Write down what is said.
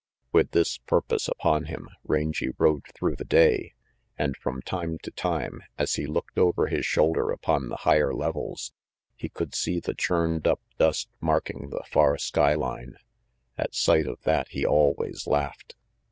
With this purpose upon him, Rangy rode through the day, and from time to time as he looked over his shoulder upon the higher levels, he could see the churned up dust marking the far skyline. At sight of that he always laughed.